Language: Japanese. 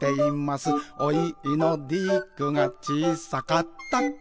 「おいのディックがちいさかったころ」